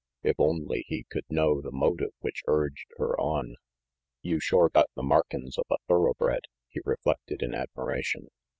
If only he could know the motive which urged her on. "You shore got the markin's of a thoroughbred," he reflected in admiration.